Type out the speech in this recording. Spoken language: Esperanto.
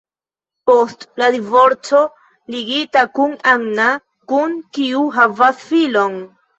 Post la divorco ligita kun Anna, kun kiu havas filon.